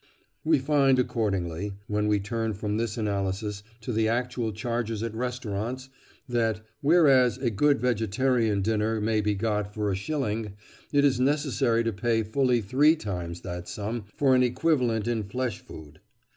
We find accordingly, when we turn from this analysis to the actual charges at restaurants, that, whereas a good vegetarian dinner may be got for a shilling, it is necessary to pay fully three times that sum for an equivalent in flesh food.